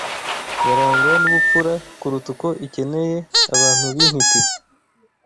barangwa n’ubupfura kuruta uko ikeneye abantu b’intiti